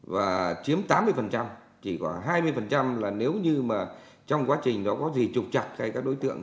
và chiếm tám mươi chỉ có hai mươi là nếu như mà trong quá trình đó có gì trục chặt hay các đối tượng